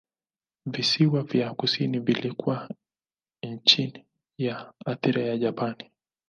Visiwa vya kusini vilikuwa chini ya athira ya Japani.